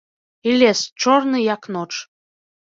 І лес чорны, як ноч.